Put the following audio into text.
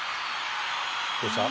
どうした？